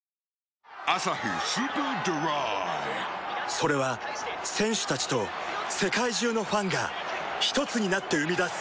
それは選手たちと世界中のファンがひとつになって生み出す